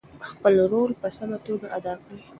خپل رول په سمه توګه ادا کړئ.